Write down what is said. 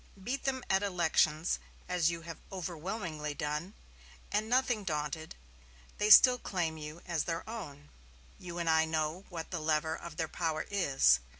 Beat them at elections, as you have overwhelmingly done, and, nothing daunted, they still claim you as their own. You and I know what the lever of their power is.